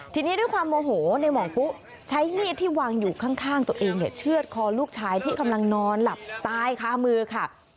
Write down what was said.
ทีนี้ด้วยความโมโหในหมองปุ๊ใช้มีดที่วางอยู่ข้างตัวเองเนี่ยเชื่อดคอลูกชายที่กำลังนอนหลับตายคามือค่ะ